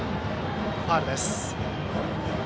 ファウルです。